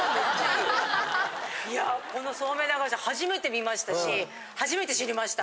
いやこのそうめん流し初めて見ましたし初めて知りました。